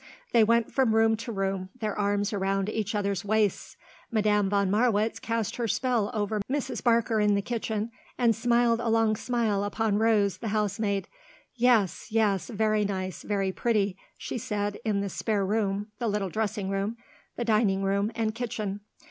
They went from room to room, their arms around each other's waists. Madame von Marwitz cast her spell over Mrs. Barker in the kitchen, and smiled a long smile upon Rose, the housemaid. "Yes, yes, very nice, very pretty," she said, in the spare room, the little dressing room, the dining room and kitchen.